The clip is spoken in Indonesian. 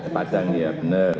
padang ya benar